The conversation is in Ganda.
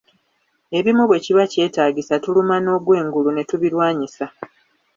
Ebimu bwe kiba kyetaagisa tuluma n'ogwengulu ne tubilwanyisa.